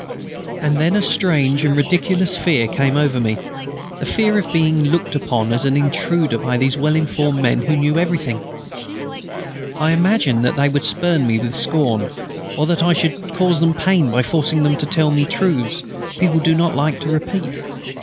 And then a strange and ridiculous fear came over me; the fear of being looked upon as an intruder by these well informed men who knew everything. I imagined that they would spurn me with scorn, or that I should cause them pain by forcing them to tell me truths people do not like to repeat.